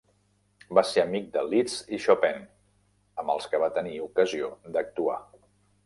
Va ser amic de Liszt i Chopin, amb els que va tenir ocasió d'actuar.